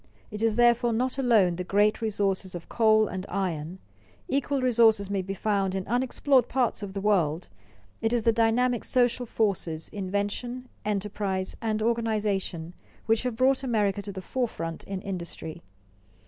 It is therefore not alone the great resources of coal and iron, equal resources may be found in unexplored parts of the world, it is the dynamic social forces, invention, enterprise, and organization, which have brought America to the forefront in industry.